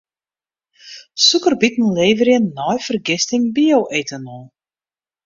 Sûkerbiten leverje nei fergisting bio-etanol.